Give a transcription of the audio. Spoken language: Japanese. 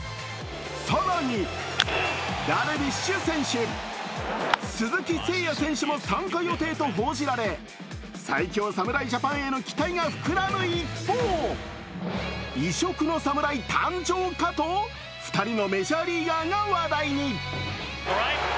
更にダルビッシュ選手、鈴木誠也選手も参加予定と報じられ最強侍ジャパンへ期待が膨らむ一方、異色の侍誕生かと２人のメジャーリーガーが話題に。